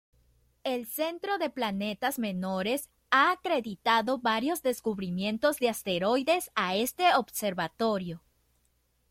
El Centro de Planetas Menores ha acreditado varios descubrimientos de asteroides a este Observatorio.